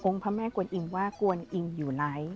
พระแม่กวนอิงว่ากวนอิงอยู่ไหน